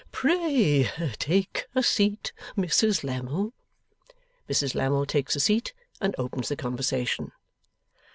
'Pray take a seat, Mrs Lammle.' Mrs Lammle takes a seat and opens the conversation.